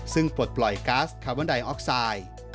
ซึ่งปลดปล่อยก๊าซคาร์บอนไดออกไซด์